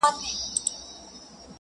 زه په تیارو کي چي ډېوه ستایمه,